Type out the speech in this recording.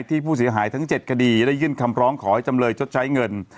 ผู้เสียหายทั้ง๗คดีได้ยื่นคำร้องขอให้จำเลยชดใช้เงิน